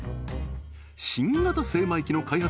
新型精米機の開発